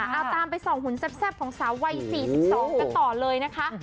เอาตามไปส่องหุ่นแซ่บของสาววัย๔๒กันต่อเลยนะคะ